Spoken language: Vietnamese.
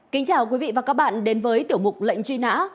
kính chào quý vị và các bạn đến với tiểu mục lệnh truy nã